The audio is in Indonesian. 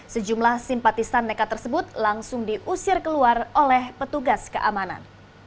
sejumlah simpatisan nekat tersebut langsung diusir keluar oleh petugas keamanan